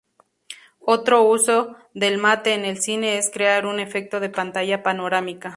Otro uso del mate en el cine es crear un efecto de pantalla panorámica.